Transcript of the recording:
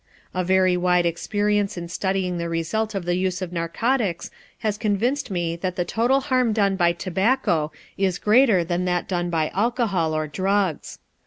A very wide experience in studying the result of the use of narcotics has convinced me that the total harm done by tobacco is greater than that done by alcohol or drugs.